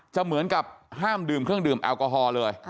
เหมือนกับห้ามดื่มเครื่องดื่มแอลกอฮอล์เลย